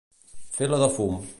Fer la del fum.